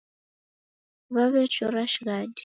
Waw'echora shighadi